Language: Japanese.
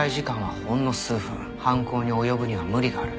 犯行に及ぶには無理がある。